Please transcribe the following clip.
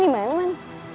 ini di mana man